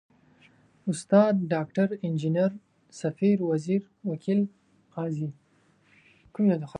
استاد، ډاکټر، انجنیر، ، سفیر، وزیر، وکیل، قاضي ...